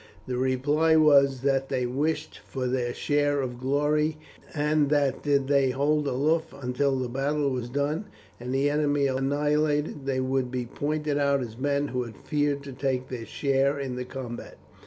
The reply was, that they wished for their share of glory, and that did they hold aloof until the battle was done and the enemy annihilated they would be pointed out as men who had feared to take their share in the combat.